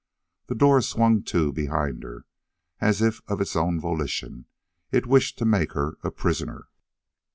The door swung to behind her, as if of its own volition it wished to make her a prisoner.